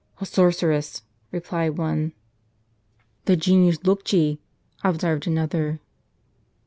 " A sorceress," replied one. ^" The genius loci,''^ * observed another.